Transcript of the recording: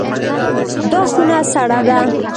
دا خونه سړه ده.